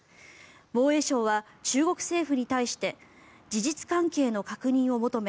防衛省は中国政府に対して事実関係の確認を求め